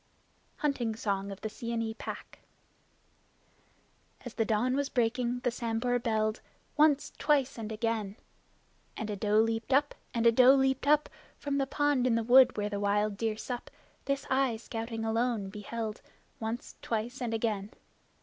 Hunting Song of the Seeonee Pack As the dawn was breaking the Sambhur belled Once, twice and again! And a doe leaped up, and a doe leaped up From the pond in the wood where the wild deer sup. This I, scouting alone, beheld, Once, twice and again!